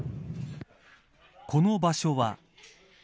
この場所は。